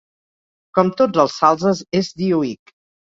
Com tots els salzes és dioic.